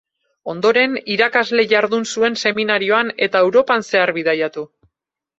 Ondoren irakasle jardun zuen seminarioan eta Europan zehar bidaiatu.